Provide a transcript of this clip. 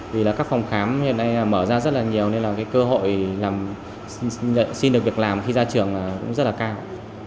vì là các phòng khám hiện nay mở ra rất là nhiều nên là cái cơ hội làm xin được việc làm khi ra trường cũng rất là cao